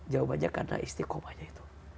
jawabannya karena istiqomahnya itu